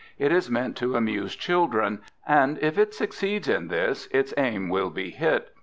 It is meant to amuse children; and if it succeeds in this, its aim will be hit.